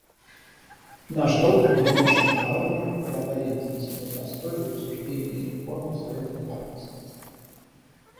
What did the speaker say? Наш долг перед нашими народами — преодолеть длительный застой в обсуждении реформы Совета Безопасности.